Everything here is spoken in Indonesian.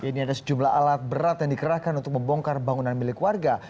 ini ada sejumlah alat berat yang dikerahkan untuk membongkar bangunan milik warga